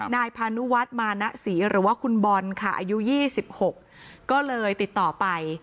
นายพานุวัฒน์มานะศรีหรือว่าคุณบอลค่ะอายุ๒๖ก็เลยติดต่อไป